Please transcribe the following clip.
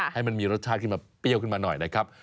ให้มันมีรสชาติขึ้นมาเปรี้ยวขึ้นมาหน่อยนะครับ